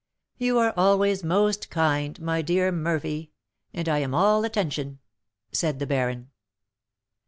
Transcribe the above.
"You are always most kind, my dear Murphy, and I am all attention," said the baron.